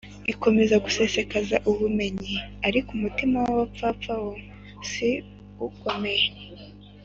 ikomeza gusesekaza ubumenyi f ariko umutima w abapfapfa wo si uko umera